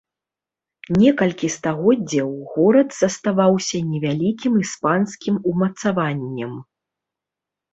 Некалькі стагоддзяў горад заставаўся невялікім іспанскім умацаваннем.